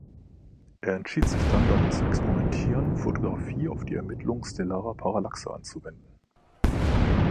Er entschied sich dann, damit zu experimentieren, Fotografie auf die Ermittlung stellarer Parallaxe anzuwenden.